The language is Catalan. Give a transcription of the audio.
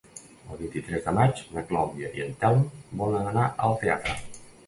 El vint-i-tres de maig na Clàudia i en Telm volen anar al teatre.